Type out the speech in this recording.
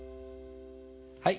はい。